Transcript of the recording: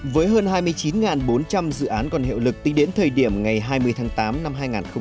với hơn hai mươi chín bốn trăm linh dự án còn hiệu lực tính đến thời điểm ngày hai mươi tháng tám năm hai nghìn hai mươi